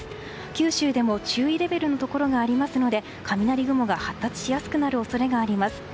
九州でも注意レベルのところがありますので雷雲が発達しやすくなる恐れがあります。